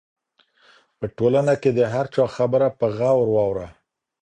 په ټولنه کې د هر چا خبره په غور واوره.